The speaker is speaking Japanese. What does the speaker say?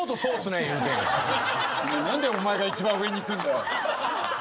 何でお前が一番上にいくんだよ。